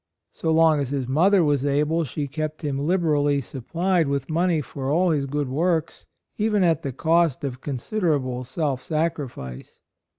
So long as his mother was able she kept him liberally supplied with money for all his good works, even at the cost of considerable self sacrifice.